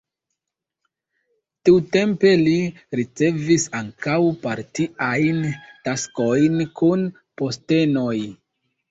Tiutempe li ricevis ankaŭ partiajn taskojn kun postenoj.